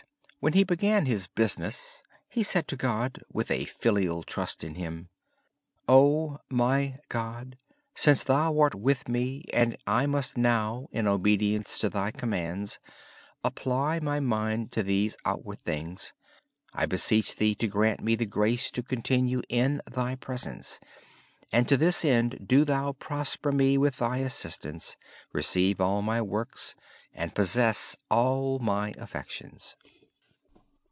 When he began his business, he said to God with a filial trust in Him, "O my God, since Thou art with me, and I must now, in obedience to Thy commands, apply my mind to these outward things, I beseech Thee to grant me the grace to continue in Thy Presence; and to this end do Thou prosper me with Thy assistance. Receive all my works, and possess all my affections."